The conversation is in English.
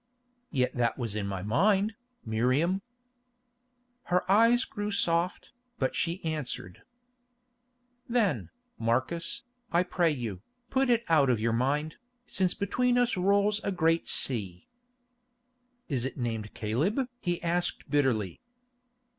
"Yet that was in my mind, Miriam." Her eyes grew soft, but she answered: "Then, Marcus, I pray you, put it out of your mind, since between us rolls a great sea." "Is it named Caleb?" he asked bitterly.